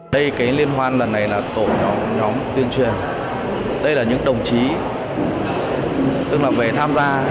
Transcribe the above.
đây cái liên hoan lần này là tổ nhóm tuyên truyền đây là những đồng chí tức là về tham gia